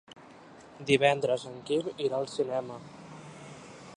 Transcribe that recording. Divendres en Quim irà al cinema.